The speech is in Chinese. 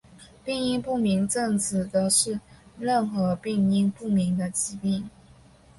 病因不明症指的是任何病因不明的疾病。